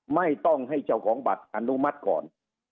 ไม่ต้องให้เจ้าของบัตรอนุมัติก่อน